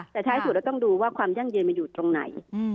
แต่ท้ายสุดเราต้องดูว่าความยั่งยืนมันอยู่ตรงไหน